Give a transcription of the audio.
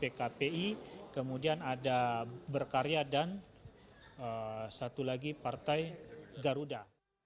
kemudian ada pbb ada pkpi kemudian ada berkarya dan satu lagi partai garuda